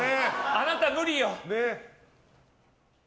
あなた無理よ。